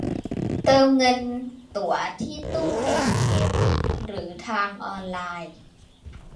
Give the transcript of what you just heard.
เติมเงินตั๋วที่ตู้เอทีเอ็มหรือทางออนไลน์